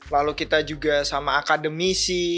lalu kita juga sama akademisi